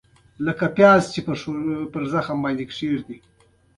ځغاسته د اوږدې ستړیا ضد ده